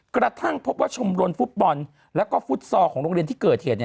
กระทั่งพบว่าชมรมฟุตบอลแล้วก็ฟุตซอลของโรงเรียนที่เกิดเหตุ